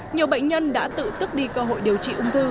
nhiều bệnh nhân đã tự tức đi cơ hội điều trị ung thư